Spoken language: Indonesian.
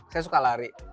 saya suka lari